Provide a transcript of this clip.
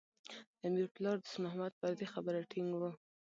د امیر پلار دوست محمد پر دې خبره ټینګ و.